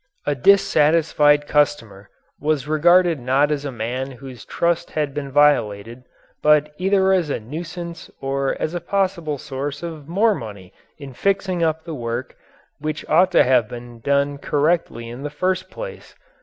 A dissatisfied customer was regarded not as a man whose trust had been violated, but either as a nuisance or as a possible source of more money in fixing up the work which ought to have been done correctly in the first place.